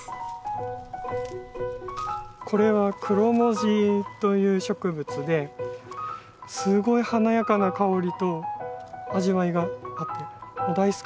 これはクロモジという植物ですごい華やかな香りと味わいがあって大好きなんですよね。